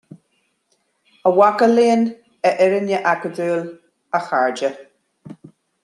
A mhaca léinn, a fhoirne acadúil, a chairde,